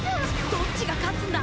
どっちが勝つんだ！？